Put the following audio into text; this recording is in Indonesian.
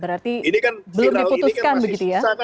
berarti belum diputuskan begitu ya